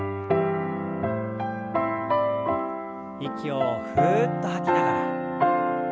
息をふっと吐きながら。